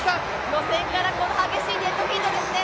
予選からこの激しいデッドヒートですね。